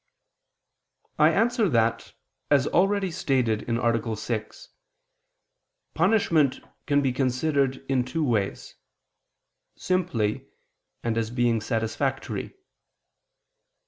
I answer that, As already stated (A. 6), punishment can be considered in two ways simply, and as being satisfactory.